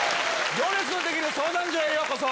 『行列のできる相談所』へようこそ。